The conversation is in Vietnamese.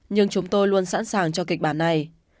nhưng chúng tôi luôn sẵn sàng cho kịch bản này